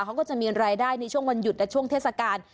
เขาก็จะมีรายได้ในช่วงวันหยุดและช่วงเทศกาล